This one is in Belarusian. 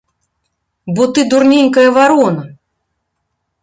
Бо ты дурненькая варона!